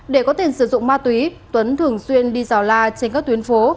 để có thể sử dụng ma túy tuấn thường xuyên đi rào la trên các tuyến phố